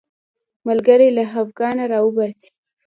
ملګری له خفګانه راوباسي